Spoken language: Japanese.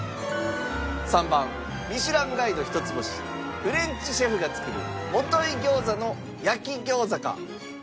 ３番『ミシュランガイド』一つ星フレンチシェフが作るモトイギョーザの焼き餃子か。